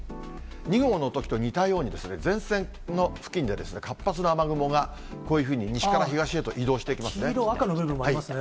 ２号のときと似たようにですね、前線の付近でですね、活発な雨雲がこういうふうに西から東へと移黄色、赤の部分もありますね。